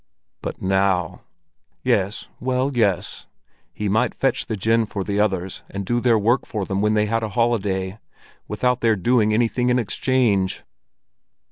But now! Yes—well, yes—he might fetch the gin for the others and do their work for them when they had a holiday, without their doing anything in exchange!